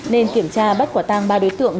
nên kiểm tra bắt quả tang ba đối tượng